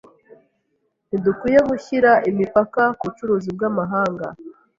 Ntidukwiye gushyira imipaka ku bucuruzi bw’amahanga.